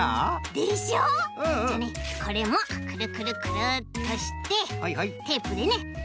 でしょ！じゃねこれもくるくるくるっとしてテープでねしっかりとペタッと！